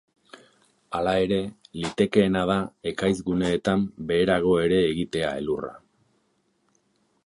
Hala ere, litekeena da ekaitz guneetan beherago ere egitea elurra.